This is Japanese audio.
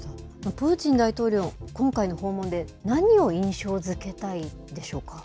プーチン大統領、今回の訪問で何を印象づけたいんでしょうか。